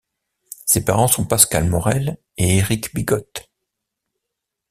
Ses parents sont Pascale Morel et Éric Bigote.